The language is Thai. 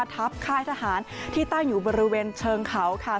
ค่ายทหารที่ตั้งอยู่บริเวณเชิงเขาค่ะ